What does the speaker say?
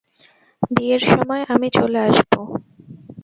বিয়ের সময় আমি চলে আসব।